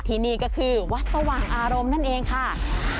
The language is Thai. ที่นี่ก็คือวัดสว่างอารมณ์นั่นเองค่ะ